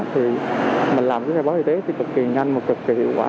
thì mình làm cái khai báo y tế thì cực kỳ nhanh một cực kỳ hiệu quả